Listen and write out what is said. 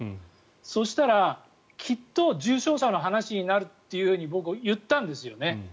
そしたらきっと重症者の話になると僕、言ったんですよね。